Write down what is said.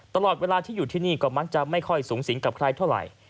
ตลอดเวลาที่อยู่ที่นี่ก็มักจะไม่ค่อยสูงสิงกับใครเท่าไหร่